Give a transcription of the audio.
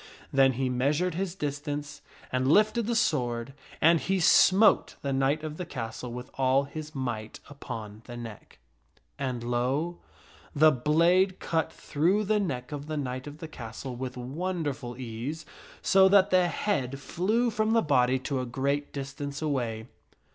Then he measured his distance, and lifted the sword, and he smote the knight of the castle with all his might upon the neck. And, lo! the blade cut KING ARTHUR ENGAGES THE KNIGHT OF THE CASTLE 299 through the neck of the knight of the castle with wonderful ease, so that the head flew from the body to a great distance away.